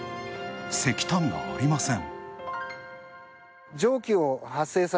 石炭がありません。